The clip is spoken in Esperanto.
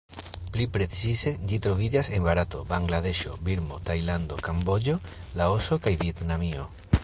Pli precize ĝi troviĝas en Barato, Bangladeŝo, Birmo, Tajlando, Kamboĝo, Laoso kaj Vjetnamio.